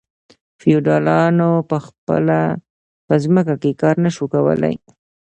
فیوډالانو په خپله په ځمکو کې کار نشو کولی.